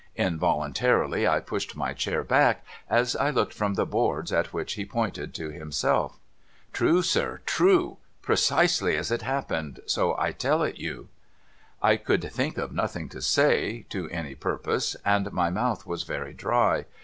Involuntarily I pushed my chair back, as I looked from the boards at which he pointed to himself. ' True, sir. True. Precisely as it happened, so I tell it you.' I could think of nothing to say, to any purpose, and my mouth was very dry.